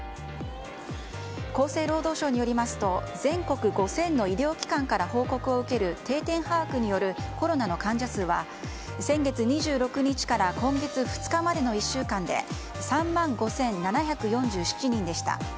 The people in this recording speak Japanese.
厚生労働省によりますと全国５０００の医療機関から報告を受ける定点把握によるコロナの患者数は先月２６日から今月２日までの１週間で３万５７４７人でした。